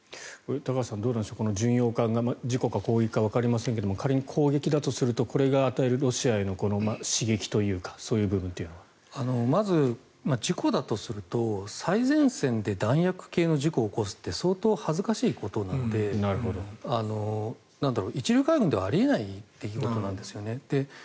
高橋さん、巡洋艦が事故か攻撃かわかりませんが仮に攻撃だとするとこれが与えるロシアへの刺激というかまず事故だとすると最前線で弾薬系の事故を起こすって相当恥ずかしいことなので一流海軍ではあり得ないということなんですよね。